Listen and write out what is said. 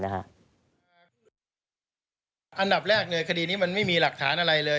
อันดับแรกเลยคดีนี้มันไม่มีหลักฐานอะไรเลย